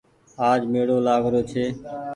آج ميڙو لآگ رو ڇي۔